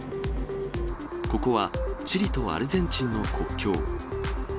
ここはチリとアルゼンチンの国境。